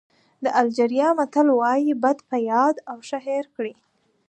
د الجېریا متل وایي بد په یاد او ښه هېر کړئ.